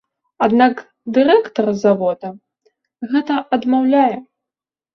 Аднак дырэктар завода гэта адмаўляе.